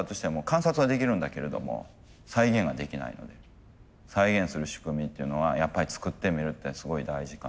観察はできるんだけれども再現はできないので再現する仕組みっていうのはやっぱり作ってみるってすごい大事かなっていう気はしてます。